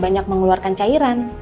banyak mengeluarkan cairan